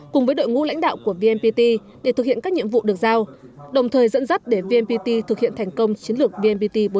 cùng với đội ngũ lãnh đạo của vnpt để thực hiện các nhiệm vụ được giao đồng thời dẫn dắt để vnpt thực hiện thành công chiến lược vnpt bốn